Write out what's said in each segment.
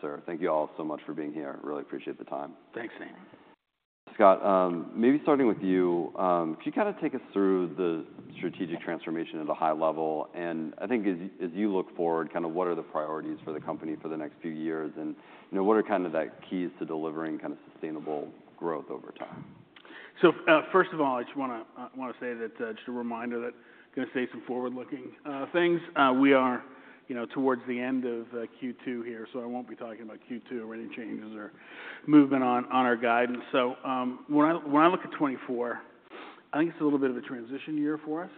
Sir, thank you all so much for being here. Really appreciate the time. Thanks, Amy. Scott, maybe starting with you, can you kind of take us through the strategic transformation at a high level? And I think as you, as you look forward, kind of what are the priorities for the company for the next few years, and, you know, what are kind of the keys to delivering kind of sustainable growth over time? So, first of all, I just wanna say that, just a reminder that I'm gonna say some forward-looking things. We are, you know, towards the end of Q2 here, so I won't be talking about Q2 or any changes or movement on our guidance. So, when I look at 2024, I think it's a little bit of a transition year for us.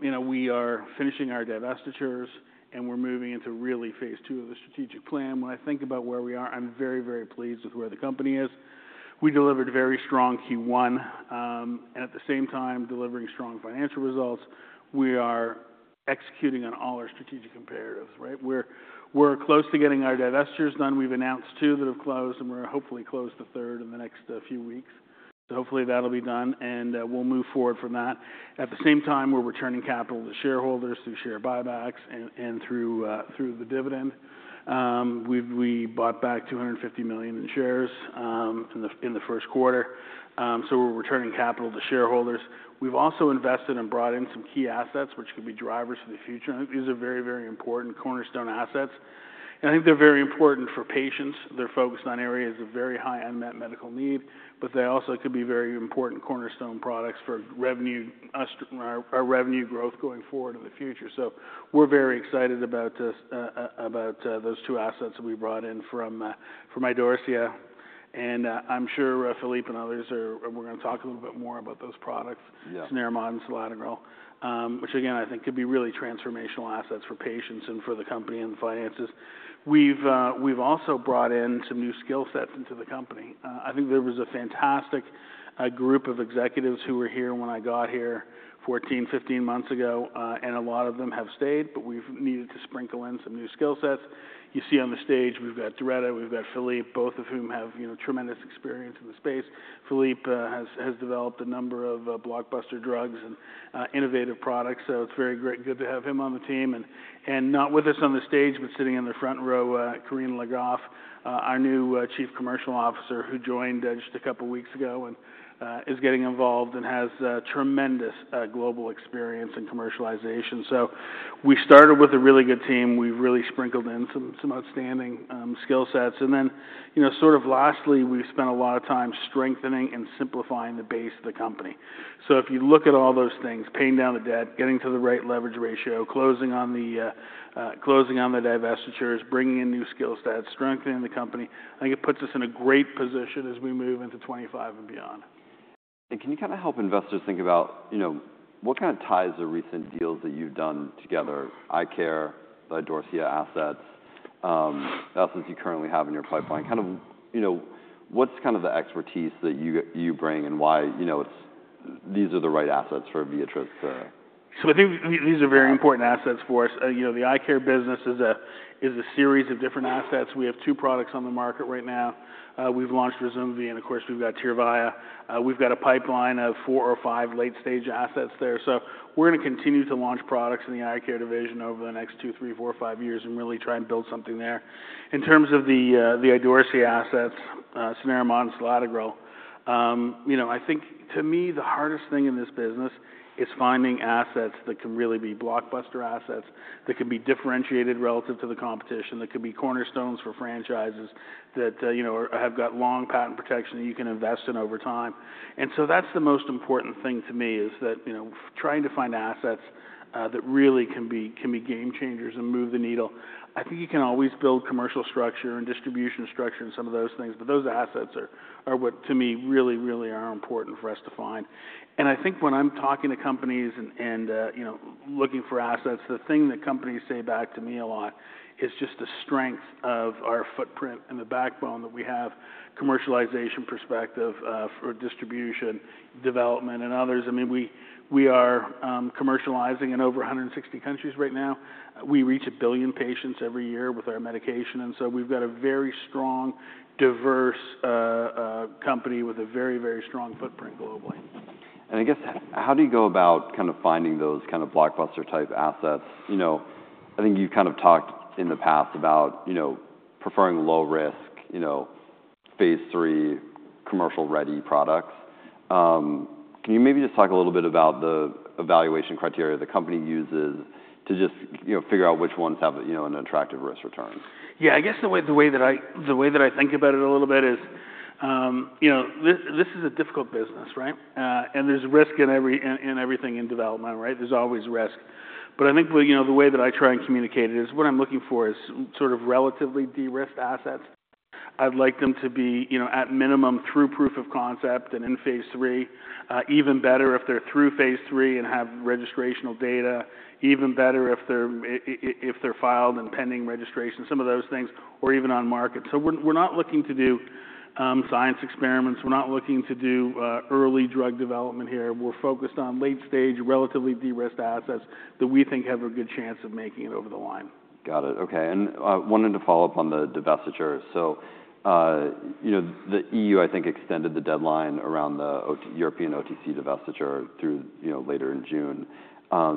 You know, we are finishing our divestitures, and we're moving into phase II of the strategic plan. When I think about where we are, I'm very, very pleased with where the company is. We delivered a very strong Q1, and at the same time, delivering strong financial results. We are executing on all our strategic imperatives, right? We're close to getting our divestitures done. We've announced two that have closed, and we're hopefully close to a third in the next few weeks. So hopefully that'll be done, and we'll move forward from that. At the same time, we're returning capital to shareholders through share buybacks and through the dividend. We've bought back $250 million in shares in the first quarter. So we're returning capital to shareholders. We've also invested and brought in some key assets, which could be drivers for the future. I think these are very, very important cornerstone assets, and I think they're very important for patients. They're focused on areas of very high unmet medical need, but they also could be very important cornerstone products for our revenue growth going forward in the future. So we're very excited about those two assets that we brought in from Idorsia. And I'm sure Philippe and others are... We're gonna talk a little bit more about those products- Yeah. Cenerimod and selatogrel, which again, I think could be really transformational assets for patients and for the company and the finances. We've also brought in some new skill sets into the company. I think there was a fantastic group of executives who were here when I got here 14, 15 months ago, and a lot of them have stayed, but we've needed to sprinkle in some new skill sets. You see on the stage, we've got Doretta, we've got Philippe, both of whom have, you know, tremendous experience in the space. Philippe has developed a number of blockbuster drugs and innovative products, so it's very good to have him on the team. Not with us on the stage, but sitting in the front row, Corinne Le Goff, our new Chief Commercial Officer, who joined just a couple of weeks ago, and is getting involved and has tremendous global experience in commercialization. So we started with a really good team. We've really sprinkled in some outstanding skill sets. And then, you know, sort of lastly, we've spent a lot of time strengthening and simplifying the base of the company. So if you look at all those things, paying down the debt, getting to the right leverage ratio, closing on the divestitures, bringing in new skill sets, strengthening the company, I think it puts us in a great position as we move into 2025 and beyond. Can you kind of help investors think about, you know, what kind of ties the recent deals that you've done together, eye care, the Idorsia assets, assets you currently have in your pipeline? Kind of, you know, what's kind of the expertise that you bring and why, you know, it's these are the right assets for Viatris to have? So I think these are very important assets for us. You know, the eye care business is a series of different assets. We have two products on the market right now. We've launched Ryzumvi, and of course, we've got Tyrvaya. We've got a pipeline of four or five late-stage assets there. So we're gonna continue to launch products in the eye care division over the next two, three, four, five years and really try and build something there. In terms of the Idorsia assets, cenerimod and selatogrel, you know, I think to me, the hardest thing in this business is finding assets that can really be blockbuster assets, that can be differentiated relative to the competition, that could be cornerstones for franchises, that you know, have got long patent protection that you can invest in over time. So that's the most important thing to me, is that, you know, trying to find assets that really can be game changers and move the needle. I think you can always build commercial structure and distribution structure and some of those things, but those assets are what, to me, really, really are important for us to find. I think when I'm talking to companies and you know, looking for assets, the thing that companies say back to me a lot is just the strength of our footprint and the backbone that we have, commercialization perspective, for distribution, development, and others. I mean, we are commercializing in over 160 countries right now. We reach 1 billion patients every year with our medication, and so we've got a very strong, diverse company with a very, very strong footprint globally. I guess, how do you go about kind of finding those kind of blockbuster-type assets? You know, I think you've kind of talked in the past about, you know, preferring low risk, you know, phase III, commercial-ready products. Can you maybe just talk a little bit about the evaluation criteria the company uses to just, you know, figure out which ones have, you know, an attractive risk-return? Yeah, I guess the way that I think about it a little bit is, you know, this is a difficult business, right? And there's risk in everything in development, right? There's always risk. But I think, well, you know, the way that I try and communicate it is what I'm looking for is sort of relatively de-risked assets. I'd like them to be, you know, at minimum, through proof of concept and in phase III. Even better if they're through phase III and have registrational data, even better if they're if they're filed or pending registration, some of those things, or even on market. So we're not looking to do science experiments. We're not looking to do early drug development here. We're focused on late-stage, relatively de-risked assets that we think have a good chance of making it over the line. Got it. Okay, and wanted to follow up on the divestiture. So, you know, the EU, I think, extended the deadline around the European OTC divestiture through, you know, later in June.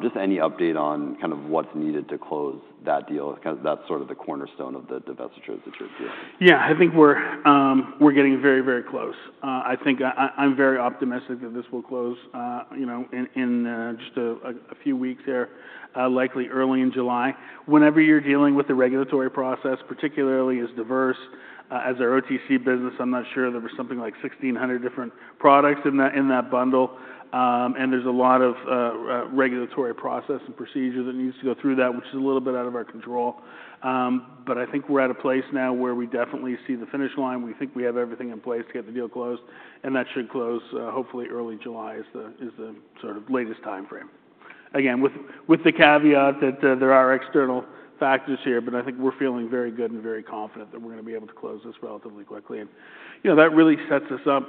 Just any update on kind of what's needed to close that deal? 'Cause that's sort of the cornerstone of the divestiture that you're doing. Yeah, I think we're, we're getting very, very close. I think I'm very optimistic that this will close, you know, in just a few weeks here, likely early in July. Whenever you're dealing with the regulatory process, particularly as diverse as our OTC business, I'm not sure there was something like 1,600 different products in that, in that bundle. And there's a lot of regulatory process and procedure that needs to go through that, which is a little bit out of our control. But I think we're at a place now where we definitely see the finish line. We think we have everything in place to get the deal closed, and that should close, hopefully early July is the sort of latest timeframe. Again, with the caveat that there are external factors here, but I think we're feeling very good and very confident that we're gonna be able to close this relatively quickly. And, you know, that really sets us up,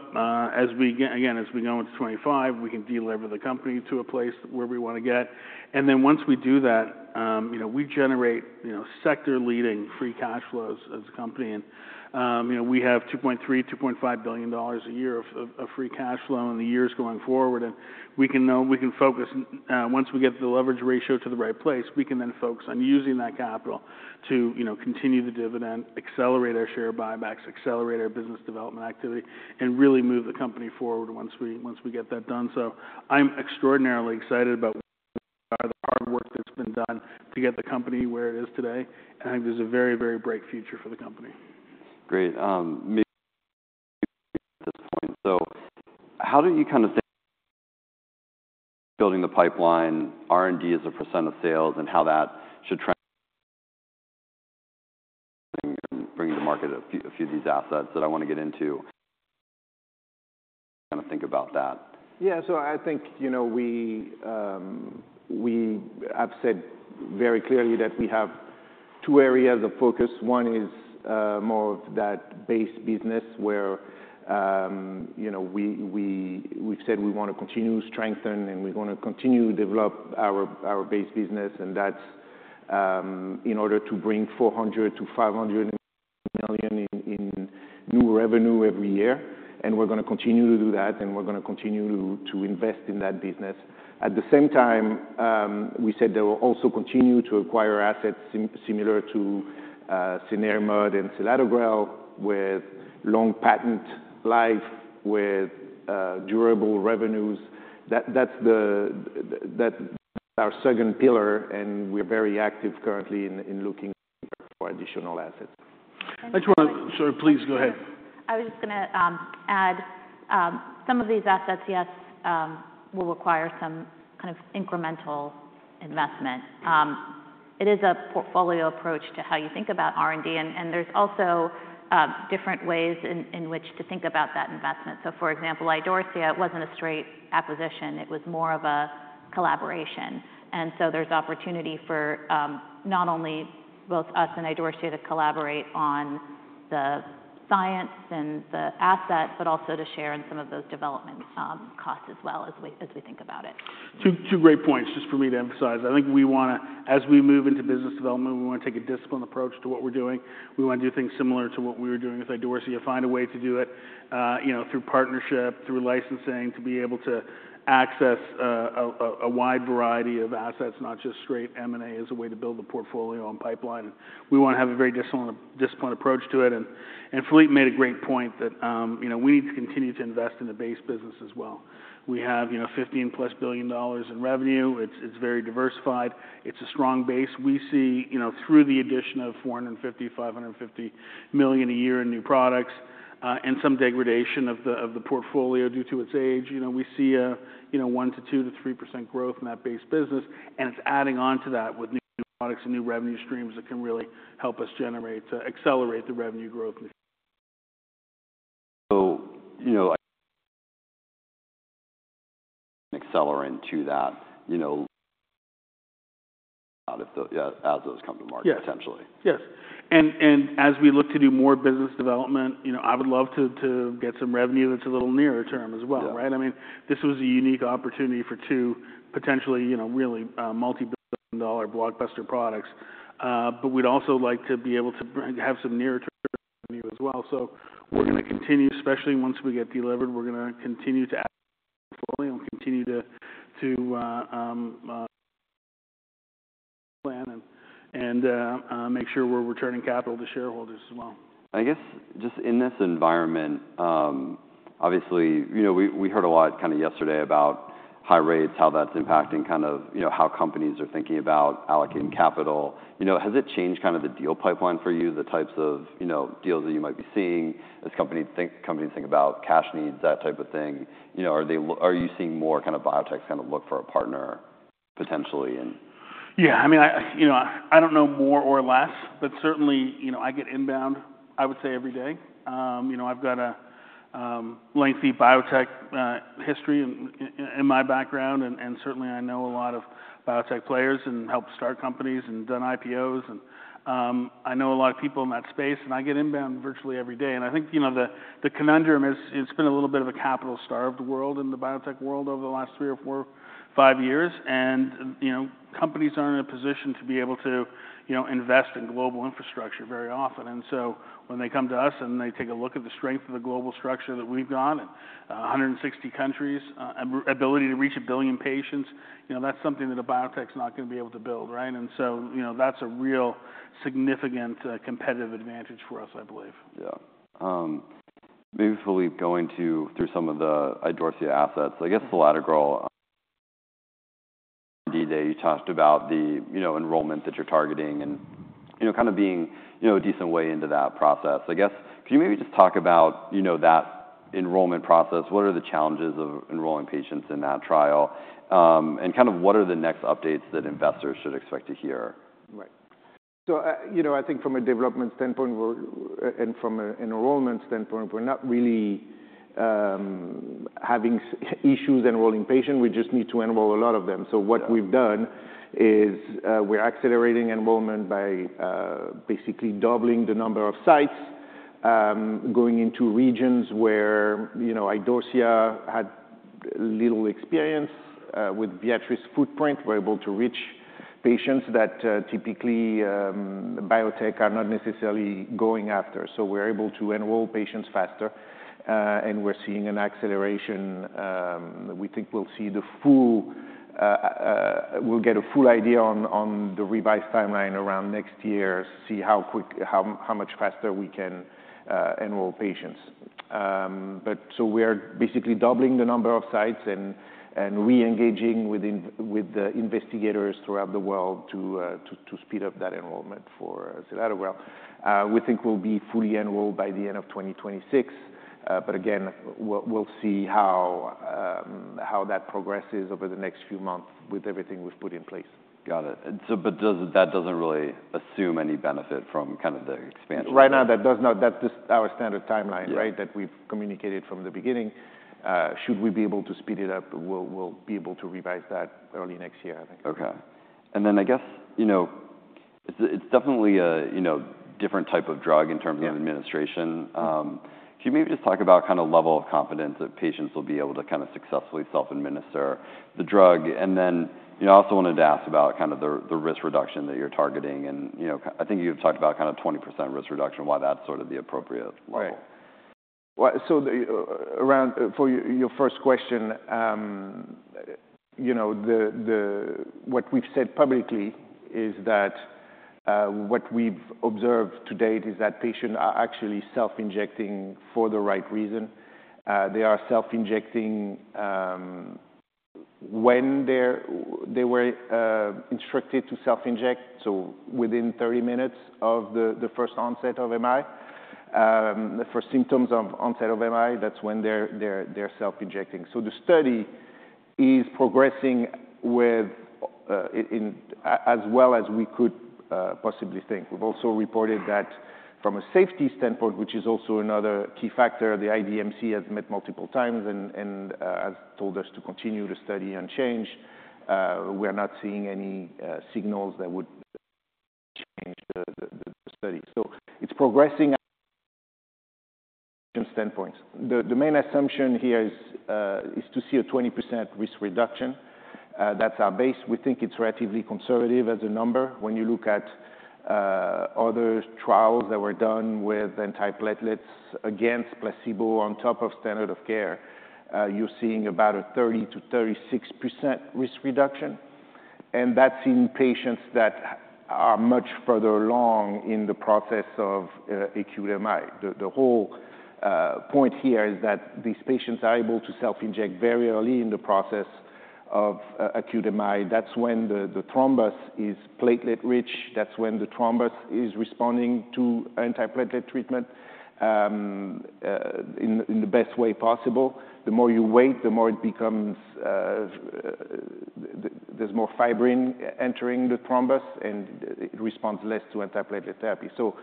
as we again, as we go into 2025, we can delever the company to a place where we want to get. And then once we do that, you know, we generate, you know, sector-leading free cash flows as a company. You know, we have $2.3 billion-$2.5 billion a year of free cash flow in the years going forward, and we can now focus, once we get the leverage ratio to the right place, we can then focus on using that capital to, you know, continue the dividend, accelerate our share buybacks, accelerate our business development activity, and really move the company forward once we get that done. So I'm extraordinarily excited about the hard work that's been done to get the company where it is today, and I think there's a very, very bright future for the company. Great. Maybe at this point. So how do you kind of think... Building the pipeline, R&D as a % of sales, and how that should trend? Bring to market a few, a few of these assets that I want to get into. Kind of think about that. Yeah, so I think, you know, we have said very clearly that we have two areas of focus. One is more of that base business where, you know, we, we've said we want to continue to strengthen and we're gonna continue to develop our base business, and that's in order to bring $400 million-$500 million in new revenue every year, and we're gonna continue to do that, and we're gonna continue to invest in that business. At the same time, we said that we'll also continue to acquire assets similar to cenerimod and selatogrel, with long patent life, with durable revenues. That's our second pillar, and we're very active currently in looking for additional assets. Sorry, please go ahead. I was just gonna add some of these assets, yes, will require some kind of incremental investment. It is a portfolio approach to how you think about R&D, and there's also different ways in which to think about that investment. So, for example, Idorsia wasn't a straight acquisition. It was more of a collaboration. And so there's opportunity for not only both us and Idorsia to collaborate on the science and the asset, but also to share in some of those development costs as well as we think about it. Two great points just for me to emphasize. I think we wanna, as we move into business development, we wanna take a disciplined approach to what we're doing. We wanna do things similar to what we were doing with Idorsia, find a way to do it, you know, through partnership, through licensing, to be able to access a wide variety of assets, not just straight M&A, as a way to build the portfolio and pipeline. We wanna have a very disciplined approach to it. Philippe made a great point that, you know, we need to continue to invest in the base business as well. We have, you know, $15+ billion in revenue. It's very diversified. It's a strong base. We see, you know, through the addition of $450-$550 million a year in new products, and some degradation of the portfolio due to its age. You know, we see, you know, 1%-3% growth in that base business, and it's adding on to that with new products and new revenue streams that can really help us generate to accelerate the revenue growth. So, you know, accelerant to that, you know, as those come to market- Yes... potentially. Yes. And as we look to do more business development, you know, I would love to get some revenue that's a little nearer term as well. Yeah. Right? I mean, this was a unique opportunity for two potentially, you know, really multi-billion dollar blockbuster products. But we'd also like to be able to have some near-term revenue as well. So we're gonna continue, especially once we get delevered, we're gonna continue to add Yeah... and continue to plan and make sure we're returning capital to shareholders as well. I guess just in this environment, obviously, you know, we heard a lot kind of yesterday about high rates, how that's impacting kind of, you know, how companies are thinking about allocating capital. You know, has it changed kind of the deal pipeline for you, the types of, you know, deals that you might be seeing as companies think about cash needs, that type of thing? You know, are you seeing more kind of biotechs kind of look for a partner potentially, and-... Yeah, I mean, I, you know, I don't know more or less, but certainly, you know, I get inbound, I would say, every day. You know, I've got a lengthy biotech history in my background, and certainly I know a lot of biotech players, and helped start companies, and done IPOs, and I know a lot of people in that space, and I get inbound virtually every day. And I think, you know, the conundrum is, it's been a little bit of a capital-starved world in the biotech world over the last three-five years. And, you know, companies aren't in a position to be able to, you know, invest in global infrastructure very often. And so when they come to us and they take a look at the strength of the global structure that we've got, and, 160 countries, ability to reach 1 billion patients, you know, that's something that a biotech's not gonna be able to build, right? And so, you know, that's a real significant, competitive advantage for us, I believe. Yeah. Maybe fully going through some of the Idorsia assets, I guess, selatogrel today, you talked about the, you know, enrollment that you're targeting and, you know, kind of being, you know, a decent way into that process. I guess, can you maybe just talk about, you know, that enrollment process? What are the challenges of enrolling patients in that trial? And kind of what are the next updates that investors should expect to hear? Right. So, you know, I think from a development standpoint, we're, and from an enrollment standpoint, we're not really having issues enrolling patients, we just need to enroll a lot of them. Yeah. So what we've done is, we're accelerating enrollment by basically doubling the number of sites, going into regions where, you know, Idorsia had little experience. With Viatris footprint, we're able to reach patients that typically biotech are not necessarily going after. So we're able to enroll patients faster, and we're seeing an acceleration. We think we'll see the full, we'll get a full idea on the revised timeline around next year, see how much faster we can enroll patients. But so we are basically doubling the number of sites and re-engaging with the investigators throughout the world to speed up that enrollment for selatogrel. We think we'll be fully enrolled by the end of 2026, but again, we'll see how that progresses over the next few months with everything we've put in place. Got it. And so, but that doesn't really assume any benefit from kind of the expansion? Right now, that does not... That is our standard timeline- Yeah - right? That we've communicated from the beginning. Should we be able to speed it up, we'll, we'll be able to revise that early next year, I think. Okay. And then I guess, you know, it's definitely a, you know, different type of drug in terms- Yeah - of administration. Mm. Can you maybe just talk about kind of level of confidence that patients will be able to kind of successfully self-administer the drug? And then, you know, I also wanted to ask about kind of the risk reduction that you're targeting, and, you know, I think you've talked about kind of 20% risk reduction, why that's sort of the appropriate level. Right. Well, so for your first question, you know, what we've said publicly is that what we've observed to date is that patients are actually self-injecting for the right reason. They are self-injecting when they were instructed to self-inject, so within 30 minutes of the first onset of MI. The first symptoms of onset of MI, that's when they're self-injecting. So the study is progressing as well as we could possibly think. We've also reported that from a safety standpoint, which is also another key factor, the IDMC has met multiple times and has told us to continue the study unchanged. We are not seeing any signals that would change the study. So it's progressing from standpoints. The main assumption here is to see a 20% risk reduction. That's our base. We think it's relatively conservative as a number. When you look at other trials that were done with antiplatelets against placebo on top of standard of care, you're seeing about a 30%-36% risk reduction, and that's in patients that are much further along in the process of acute MI. The whole point here is that these patients are able to self-inject very early in the process of acute MI. That's when the thrombus is platelet-rich, that's when the thrombus is responding to antiplatelet treatment in the best way possible. The more you wait, the more it becomes. There's more fibrin entering the thrombus, and it responds less to antiplatelet therapy. So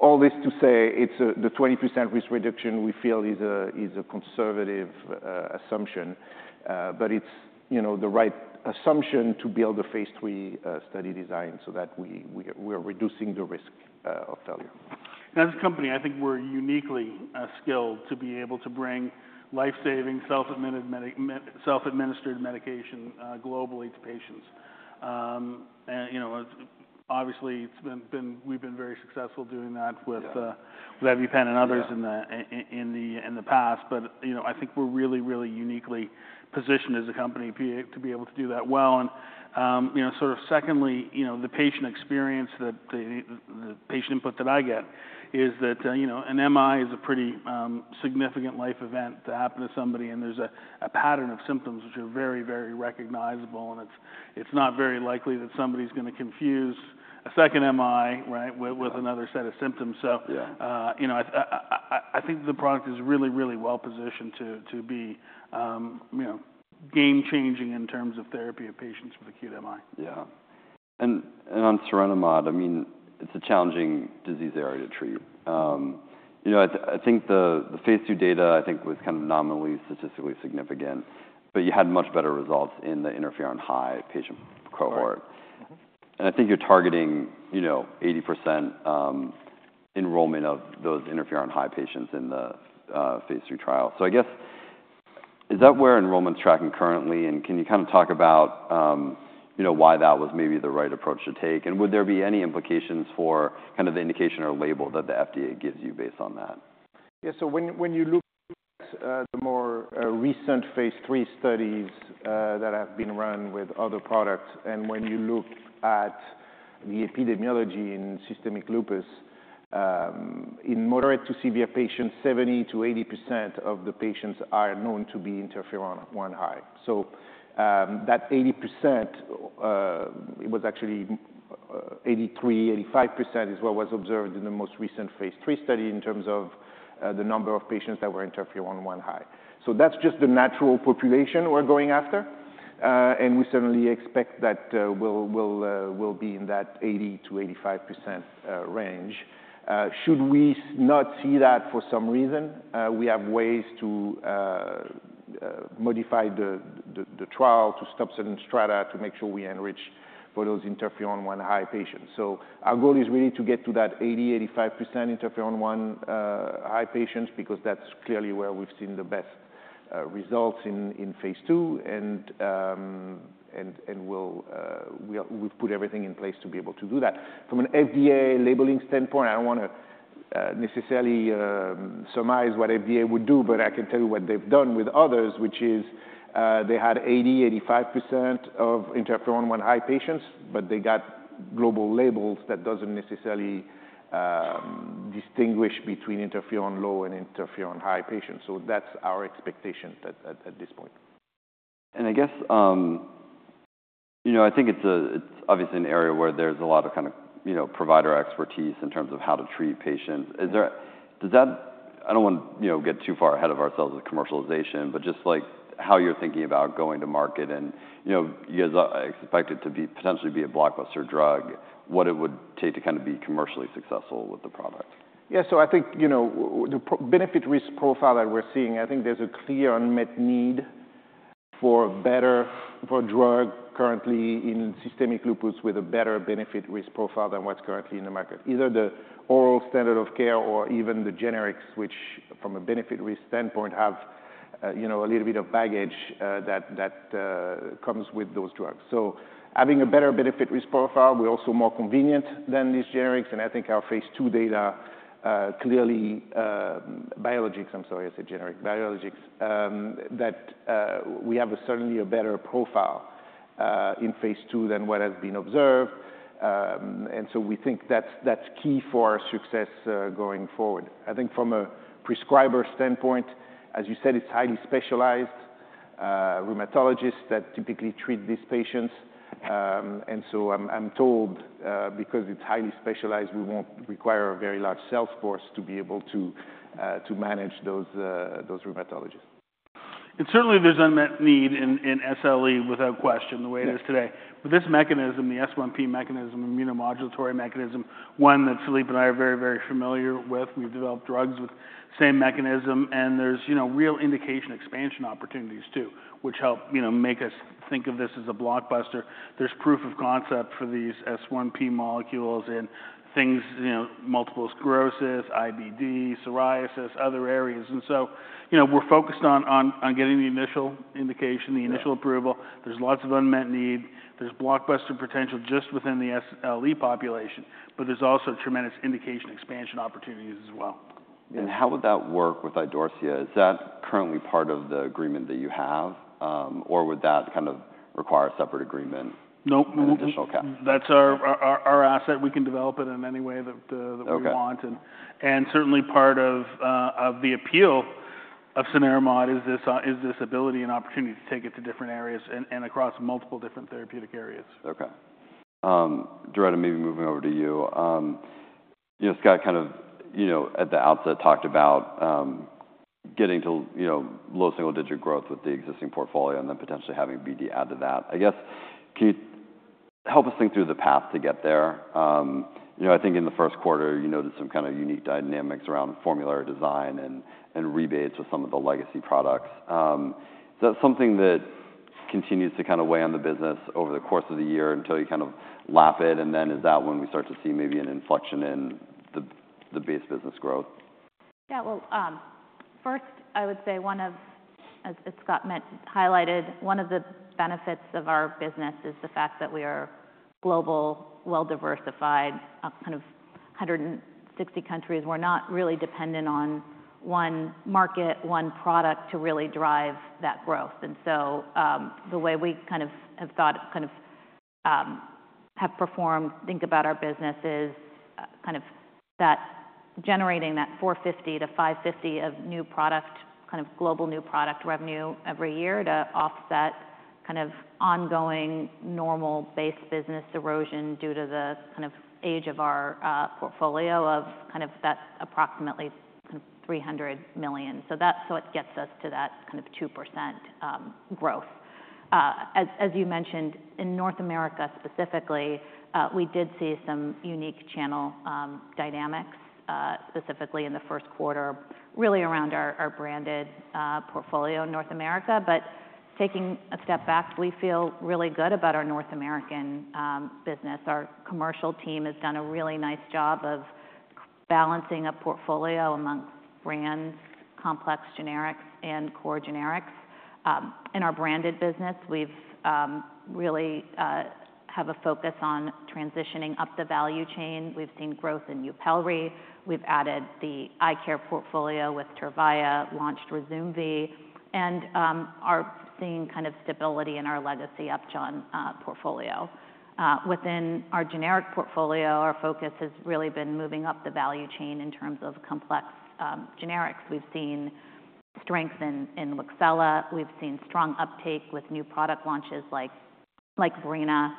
all this to say, it's the 20% risk reduction we feel is a conservative assumption, but it's, you know, the right assumption to build a phase III study design so that we are reducing the risk of failure. As a company, I think we're uniquely skilled to be able to bring life-saving, self-administered medication globally to patients. You know, obviously, we've been very successful doing that with Yeah... with EpiPen and others- Yeah in the past. But you know, I think we're really, really uniquely positioned as a company to be able to do that well. And you know, sort of secondly, you know, the patient experience, the patient input that I get is that you know, an MI is a pretty significant life event to happen to somebody, and there's a pattern of symptoms which are very, very recognizable, and it's not very likely that somebody's gonna confuse a second MI, right? With another set of symptoms. So- Yeah. You know, I think the product is really, really well-positioned to be, you know, game-changing in terms of therapy of patients with acute MI. Yeah. On cenerimod, I mean, it's a challenging disease area to treat. You know, I think the phase II data, I think, was kind of nominally statistically significant, but you had much better results in the interferon high patient cohort. Right. Mm-hmm. I think you're targeting, you know, 80% enrollment of those interferon high patients in the phase III trial. So I guess, is that where enrollment's tracking currently? And can you kind of talk about, you know, why that was maybe the right approach to take? And would there be any implications for kind of the indication or label that the FDA gives you based on that? Yeah, so when you look at the more recent phase III studies that have been run with other products, and when you look at the epidemiology in systemic lupus in moderate to severe patients, 70%-80% of the patients are known to be interferon type I high. So, that 80%, it was actually 83%-85% is what was observed in the most recent phase III study in terms of the number of patients that were interferon type I high. So that's just the natural population we're going after, and we certainly expect that we'll will be in that 80%-85% range. Should we not see that for some reason, we have ways to modify the trial to stop certain strata to make sure we enrich for those interferon type I high patients. So our goal is really to get to that 80%-85% interferon type I high patients, because that's clearly where we've seen the best results in phase II. And we've put everything in place to be able to do that. From an FDA labeling standpoint, I don't wanna necessarily surmise what FDA would do, but I can tell you what they've done with others, which is, they had 80%-85% of interferon type I high patients, but they got global labels that doesn't necessarily distinguish between interferon type I low and interferon type I high patients. That's our expectations at this point. I guess, you know, I think it's obviously an area where there's a lot of kind of, you know, provider expertise in terms of how to treat patients. Yeah. I don't want to, you know, get too far ahead of ourselves with commercialization, but just, like, how you're thinking about going to market and, you know, you guys expect it to be potentially a blockbuster drug, what it would take to kind of be commercially successful with the product? Yeah, so I think, you know, the benefit/risk profile that we're seeing, I think there's a clear unmet need for better for drug currently in systemic lupus with a better benefit/risk profile than what's currently in the market, either the oral standard of care or even the generics, which, from a benefit/risk standpoint, have, you know, a little bit of baggage, that comes with those drugs. So having a better benefit/risk profile, we're also more convenient than these generics, and I think our phase II data clearly biologics-- I'm sorry, I said generic. Biologics, that we have certainly a better profile in phase II than what has been observed. And so we think that's key for our success going forward. I think from a prescriber standpoint, as you said, it's highly specialized, rheumatologists that typically treat these patients. And so I'm told, because it's highly specialized, we won't require a very large sales force to be able to to manage those those rheumatologists. Certainly, there's unmet need in SLE, without question, the way it is today. Yeah. But this mechanism, the S1P mechanism, immunomodulatory mechanism, one that Philippe and I are very, very familiar with, we've developed drugs with same mechanism, and there's, you know, real indication expansion opportunities, too, which help, you know, make us think of this as a blockbuster. There's proof of concept for these S1P molecules in things, you know, multiple sclerosis, IBD, psoriasis, other areas. And so, you know, we're focused on getting the initial indication- Yeah the initial approval. There's lots of unmet need. There's blockbuster potential just within the SLE population, but there's also tremendous indication expansion opportunities as well. How would that work with Idorsia? Is that currently part of the agreement that you have, or would that kind of require a separate agreement- Nope, nope and additional cap? That's our asset. We can develop it in any way that we want. Okay. Certainly part of the appeal of cenerimod is this ability and opportunity to take it to different areas and across multiple different therapeutic areas. Okay. Doretta, maybe moving over to you. You know, Scott, kind of, you know, at the outset, talked about getting to, you know, low single-digit growth with the existing portfolio and then potentially having BD add to that. I guess, can you help us think through the path to get there? You know, I think in the first quarter, you noted some kind of unique dynamics around formulary design and rebates with some of the legacy products. Is that something that continues to kind of weigh on the business over the course of the year until you kind of lap it, and then is that when we start to see maybe an inflection in the base business growth? Yeah. Well, first, I would say one of... As, as Scott meant, highlighted, one of the benefits of our business is the fact that we are global, well-diversified, kind of 160 countries. We're not really dependent on one market, one product to really drive that growth. And so, the way we kind of have thought, kind of, have performed, think about our business is, kind of that-... generating that $450-$550 million of new product, kind of global new product revenue every year to offset kind of ongoing normal base business erosion due to the kind of age of our, portfolio of kind of that approximately kind of $300 million. So that's what gets us to that kind of 2%, growth. As you mentioned, in North America specifically, we did see some unique channel dynamics, specifically in the first quarter, really around our branded portfolio in North America. But taking a step back, we feel really good about our North American business. Our commercial team has done a really nice job of balancing a portfolio amongst brands, complex generics, and core generics. In our branded business, we've really have a focus on transitioning up the value chain. We've seen growth in Yupelri, we've added the eye care portfolio with Tyrvaya, launched Ryzumvi, and are seeing kind of stability in our legacy Upjohn portfolio. Within our generic portfolio, our focus has really been moving up the value chain in terms of complex generics. We've seen strength in Wixela. We've seen strong uptake with new product launches like Breyna.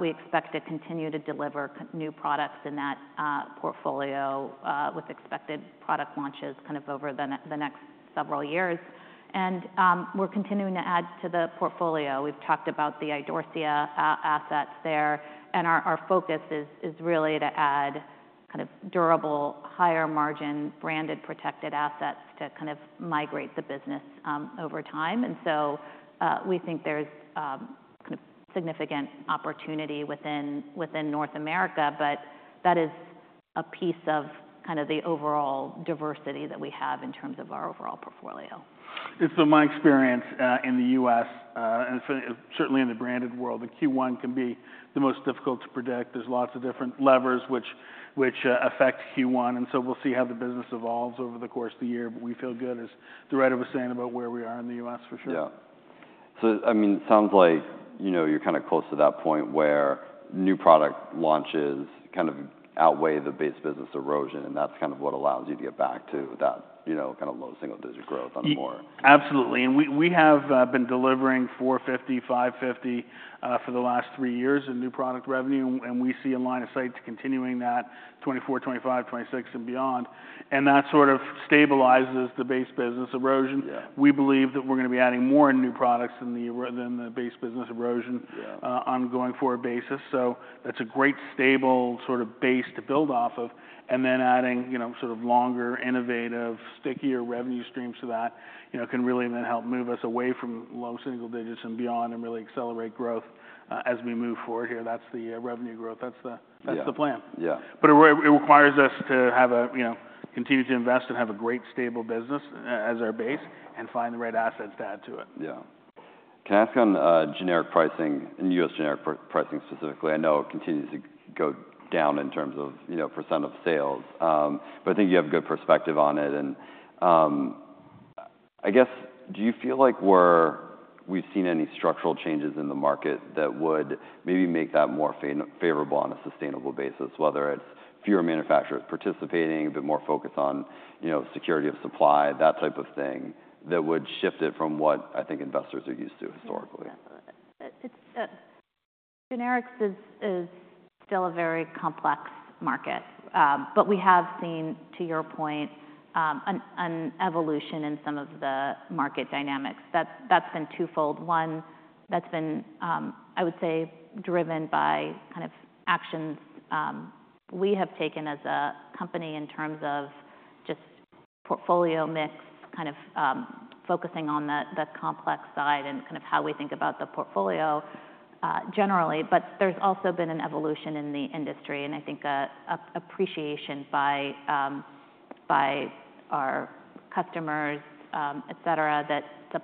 We expect to continue to deliver new products in that portfolio with expected product launches kind of over the next several years. We're continuing to add to the portfolio. We've talked about the Idorsia assets there, and our focus is really to add kind of durable, higher margin, branded, protected assets to kind of migrate the business over time. So we think there's kind of significant opportunity within North America, but that is a piece of kind of the overall diversity that we have in terms of our overall portfolio. It's been my experience in the U.S., and certainly in the branded world, that Q1 can be the most difficult to predict. There's lots of different levers which affect Q1, and so we'll see how the business evolves over the course of the year. But we feel good, as Doretta was saying, about where we are in the U.S., for sure. Yeah. So I mean, it sounds like, you know, you're kinda close to that point where new product launches kind of outweigh the base business erosion, and that's kind of what allows you to get back to that, you know, kind of low double-digit growth on the core. Absolutely. And we, we have been delivering $450-$550 million for the last three years in new product revenue, and we see a line of sight to continuing that 2024, 2025, 2026, and beyond. That sort of stabilizes the base business erosion. Yeah. We believe that we're gonna be adding more in new products in the year than the base business erosion- Yeah... on going forward basis. So that's a great, stable sort of base to build off of, and then adding, you know, sort of longer, innovative, stickier revenue streams to that, you know, can really then help move us away from low single digits and beyond, and really accelerate growth, as we move forward here. That's the revenue growth. That's the- Yeah. That's the plan. Yeah. But it requires us to have a, you know, continue to invest and have a great, stable business as our base and find the right assets to add to it. Yeah. Can I ask on generic pricing, in U.S. generic pricing specifically? I know it continues to go down in terms of, you know, % of sales, but I think you have good perspective on it. I guess, do you feel like we've seen any structural changes in the market that would maybe make that more favorable on a sustainable basis, whether it's fewer manufacturers participating, a bit more focus on, you know, security of supply, that type of thing, that would shift it from what I think investors are used to historically? It's... Generics is still a very complex market, but we have seen, to your point, an evolution in some of the market dynamics. That's been twofold. One, that's been driven by kind of actions we have taken as a company in terms of just portfolio mix, kind of, focusing on the complex side and kind of how we think about the portfolio, generally. But there's also been an evolution in the industry, and I think, appreciation by our customers, et cetera, that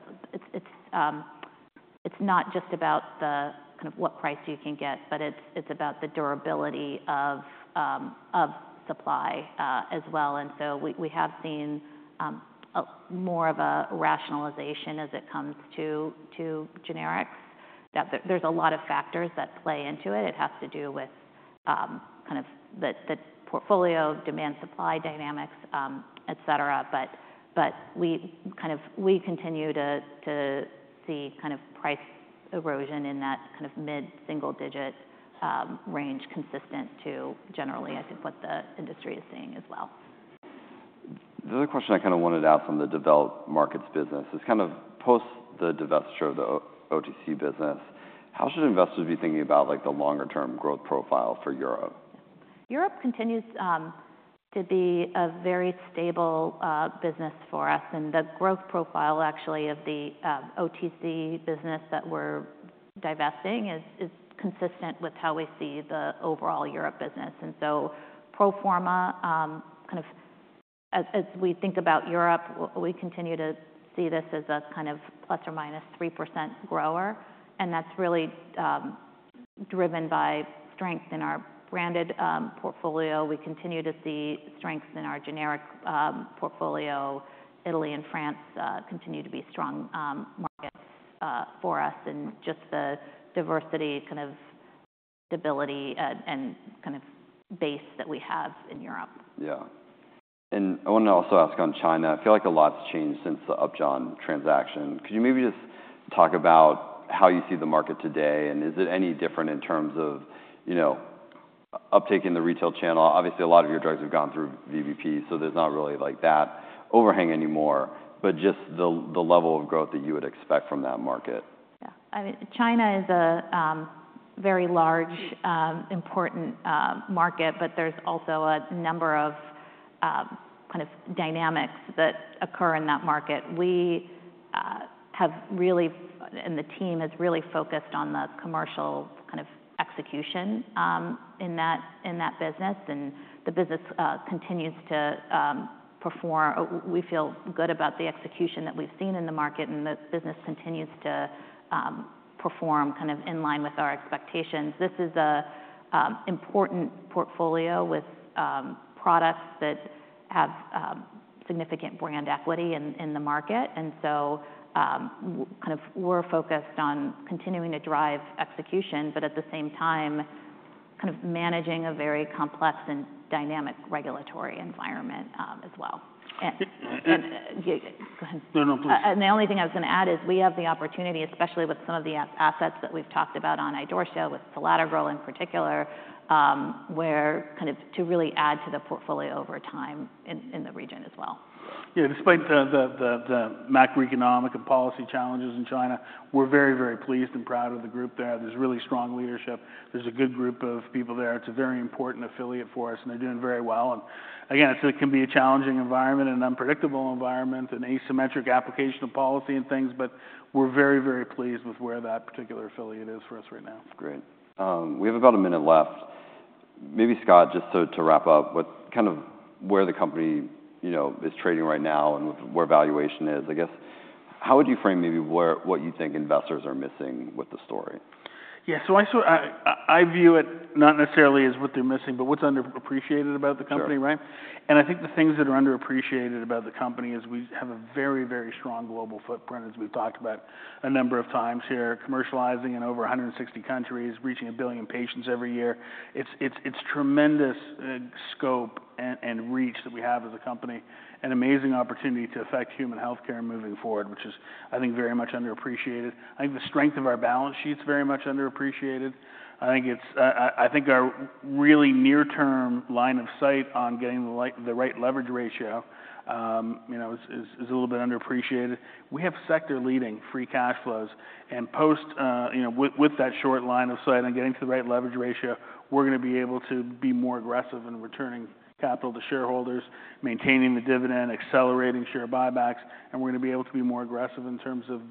it's not just about the kind of what price you can get, but it's about the durability of supply, as well. We have seen a more of a rationalization as it comes to generics, that there's a lot of factors that play into it. It has to do with kind of the portfolio, demand-supply dynamics, et cetera. But we kind of continue to see kind of price erosion in that kind of mid-single digit range, consistent to generally, I think, what the industry is seeing as well. The other question I kind of wanted to ask on the developed markets business is kind of post the divestiture of the OTC business, how should investors be thinking about, like, the longer term growth profile for Europe? Europe continues to be a very stable business for us, and the growth profile actually of the OTC business that we're divesting is consistent with how we see the overall Europe business. So pro forma, kind of as we think about Europe, we continue to see this as a kind of ±3% grower, and that's really driven by strength in our branded portfolio. We continue to see strengths in our generic portfolio. Italy and France continue to be strong markets for us, and just the diversity, kind of stability, and kind of base that we have in Europe. Yeah. And I want to also ask on China. I feel like a lot's changed since the Upjohn transaction. Could you maybe just talk about how you see the market today, and is it any different in terms of, you know, uptaking the retail channel? Obviously, a lot of your drugs have gone through VBP, so there's not really like that overhang anymore, but just the, the level of growth that you would expect from that market. Yeah. I mean, China is a very large important market, but there's also a number of kind of dynamics that occur in that market. We and the team have really focused on the commercial kind of execution in that business, and the business continues to perform. We feel good about the execution that we've seen in the market, and the business continues to perform kind of in line with our expectations. This is a important portfolio with products that have significant brand equity in the market. And so kind of we're focused on continuing to drive execution, but at the same time, kind of managing a very complex and dynamic regulatory environment as well. And- And- Go ahead. No, no, please. And the only thing I was gonna add is we have the opportunity, especially with some of the assets that we've talked about on Idorsia, with selatogrel in particular, where kind of to really add to the portfolio over time in the region as well. Yeah, despite the macroeconomic and policy challenges in China, we're very, very pleased and proud of the group there. There's really strong leadership. There's a good group of people there. It's a very important affiliate for us, and they're doing very well. And again, it can be a challenging environment, and an unpredictable environment, an asymmetric application of policy and things, but we're very, very pleased with where that particular affiliate is for us right now. Great. We have about a minute left. Maybe, Scott, just to wrap up, what kind of... where the company, you know, is trading right now and where valuation is, I guess, how would you frame maybe where—what you think investors are missing with the story? Yeah, so I sort of view it not necessarily as what they're missing, but what's underappreciated about the company, right? Sure. I think the things that are underappreciated about the company is we have a very, very strong global footprint, as we've talked about a number of times here, commercializing in over 160 countries, reaching 1 billion patients every year. It's tremendous scope and reach that we have as a company, an amazing opportunity to affect human healthcare moving forward, which is, I think, very much underappreciated. I think the strength of our balance sheet is very much underappreciated. I think it's, I think our really near-term line of sight on getting the the right leverage ratio, you know, is a little bit underappreciated. We have sector-leading free cash flows, and post, you know, with, with that short line of sight on getting to the right leverage ratio, we're gonna be able to be more aggressive in returning capital to shareholders, maintaining the dividend, accelerating share buybacks, and we're gonna be able to be more aggressive in terms of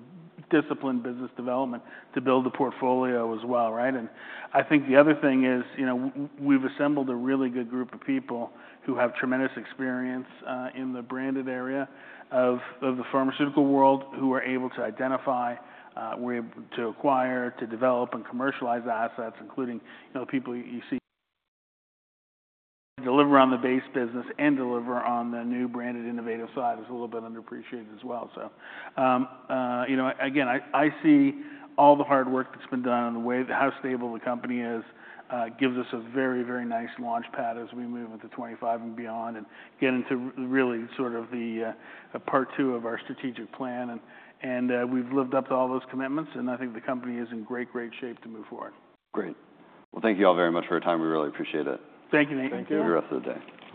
disciplined business development to build the portfolio as well, right? And I think the other thing is, you know, we've assembled a really good group of people who have tremendous experience in the branded area of the pharmaceutical world, who are able to identify, we're able to acquire, to develop and commercialize the assets, including, you know, people you see... deliver on the base business and deliver on the new branded innovative side is a little bit underappreciated as well. So, you know, again, I see all the hard work that's been done and the way how stable the company is gives us a very, very nice launchpad as we move into 2025 and beyond and get into really sort of the part two of our strategic plan. And, we've lived up to all those commitments, and I think the company is in great, great shape to move forward. Great. Well, thank you all very much for your time. We really appreciate it. Thank you, Nathan. Thank you. Enjoy the rest of the day.